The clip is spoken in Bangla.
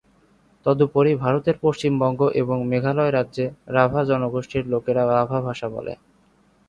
তদুপরি ভারতের পশ্চিমবঙ্গ এবং মেঘালয় রাজ্যে রাভা জনগোষ্ঠীর লোকেরা রাভা ভাষা বলে।